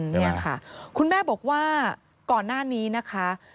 นี่ค่ะคุณแม่บอกว่าก่อนหน้านี้นะคะ